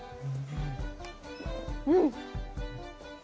うん！